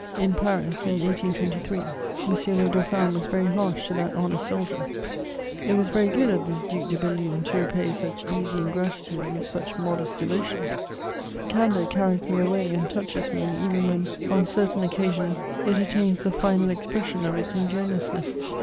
In Paris, in 1823, M. le Dauphin was very harsh to that honest soldier: it was very good of this Duc de Bellune to repay such easy ingratitude with such modest devotion! Candour carries me away and touches me, even when, on certain occasions, it attains the final expression of its ingenuousness.